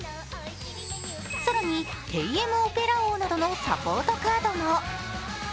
更にテイエムオペラオーなどのサポートカードも。